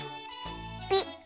ピッ。